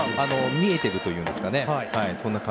見えてるというんですかね。